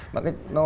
bạn cr camp nó